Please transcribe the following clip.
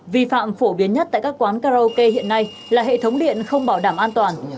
vi phạm phổ biến nhất tại các quán karaoke hiện nay là hệ thống điện không bảo đảm an toàn